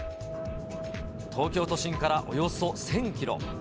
東京都心からおよそ１０００キロ。